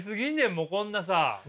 もうこんなさ。